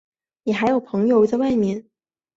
你还有朋友在外面？